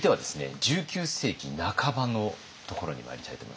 １９世紀半ばのところにまいりたいと思います。